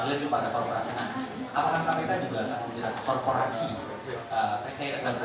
itu mungkin ada di atas di hospital